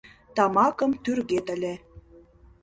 Тамакым тӱргет ыле.